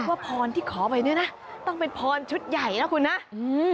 ว่าผ่อนที่ขอไปเนี่ยนะต้องเป็นผ่อนชุดใหญ่นะครับ